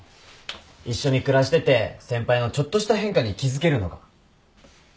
一緒に暮らしてて先輩のちょっとした変化に気付けるのが。